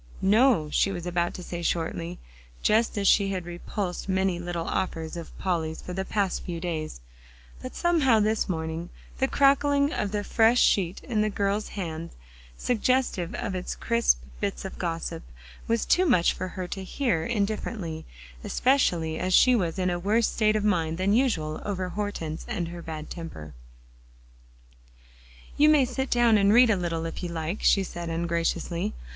"No," she was about to say shortly, just as she had repulsed many little offers of Polly's for the past few days; but somehow this morning the crackling of the fresh sheet in the girl's hand, suggestive of crisp bits of gossip, was too much for her to hear indifferently, especially as she was in a worse state of mind than usual over Hortense and her bad temper. "You may sit down and read a little, if you like," she said ungraciously.